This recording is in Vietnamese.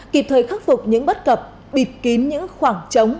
kịp thời khắc phục những bất cập bịt kín những khoảng trống